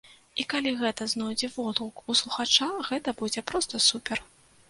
І калі гэта знойдзе водгук у слухача, гэта будзе проста супер.